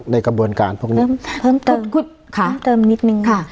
ในกระบวนการพวกนี้เพิ่มเติมค่ะเพิ่มเติมนิดหนึ่งค่ะ